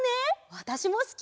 わたしもすき！